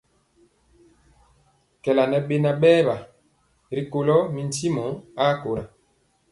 Kɛɛla ŋɛ beŋa berwa ri kula mi ntimɔ a kora.